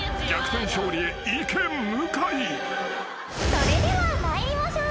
それでは参りましょう。